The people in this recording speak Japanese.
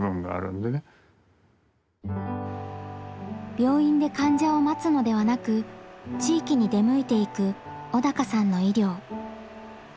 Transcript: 病院で患者を待つのではなく地域に出向いていく小鷹さんの医療。